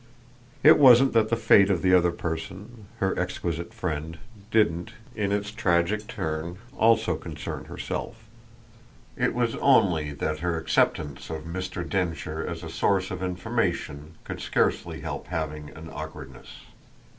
It wasn't that the fate of the other person, her exquisite friend, didn't, in its tragic turn, also concern herself: it was only that her acceptance of Mr. Densher as a source of information could scarcely help having an awkwardness.